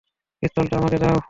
পিস্তলটা আমাকে দাও!